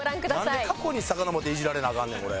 なんで過去にさかのぼってイジられなアカンねんこれ。